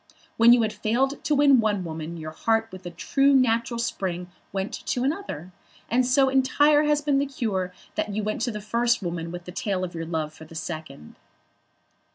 When you had failed to win one woman your heart with a true natural spring went to another. And so entire had been the cure, that you went to the first woman with the tale of your love for the second."